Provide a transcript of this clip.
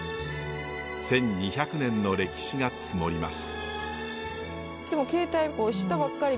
１，２００年の歴史が積もります。